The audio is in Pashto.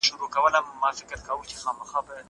زه مېوې وچولي دي!!